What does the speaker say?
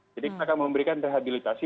jadi kita akan memberikan rehabilitasi